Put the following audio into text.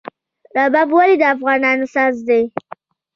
رباب ولې د افغانانو ساز دی؟